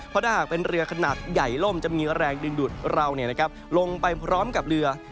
เพราะถ้าหากเป็นเรือขนาดใหญ่ล่มจะมีแรงดึงดูดเราลงไปพร้อมกับเรือ